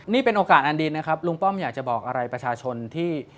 นี่เป็นโอกาสอันดีนะครับลุงป้อมอยากจะบอกอะไรประชาชนที่